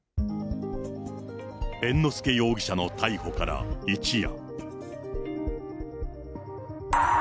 猿之助容疑者の逮捕から一夜。